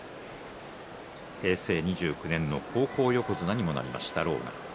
平成２９年の高校横綱にもなりました狼雅。